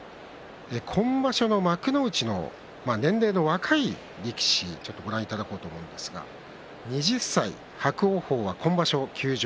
今場所、幕内の年齢の若い力士をご覧いただこうと思いますが２０歳、伯桜鵬は今場所、休場。